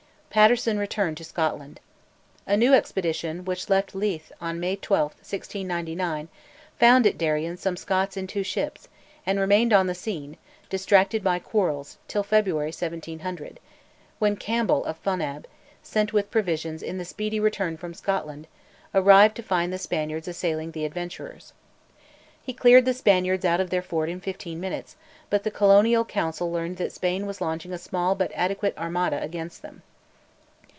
Paterson returned to Scotland. A new expedition which left Leith on May 12, 1699, found at Darien some Scots in two ships, and remained on the scene, distracted by quarrels, till February 1700, when Campbell of Fonab, sent with provisions in the Speedy Return from Scotland, arrived to find the Spaniards assailing the adventurers. He cleared the Spaniards out of their fort in fifteen minutes, but the Colonial Council learned that Spain was launching a small but adequate armada against them.